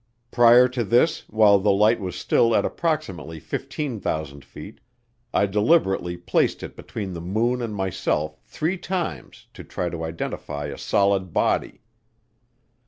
Prior to this, while the light was still at approximately 15,000 feet, I deliberately placed it between the moon and myself three times to try to identify a solid body.